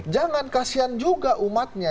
jangan kasihan juga umatnya